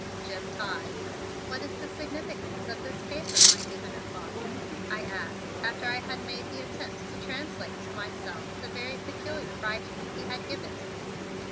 Jim Todd." "What is the significance of this paper, my Gouverneur Faulkner?" I asked after I had made the attempt to translate to myself the very peculiar writing he had given to me.